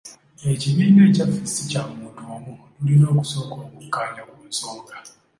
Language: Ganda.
Ekibiina ekyaffe si kya muntu omu, tulina okusooka okukkaanya ku nsonga.